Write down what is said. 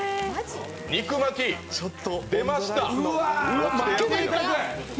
肉巻き、出ました。